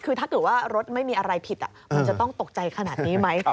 คือถ้าเกิดว่ารถไม่มีอะไรผิดมันจะต้องตกใจขนาดนี้ไหม